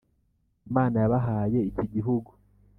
Imana yabahaye iki gihugu